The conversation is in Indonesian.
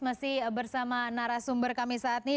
masih bersama narasumber kami saat ini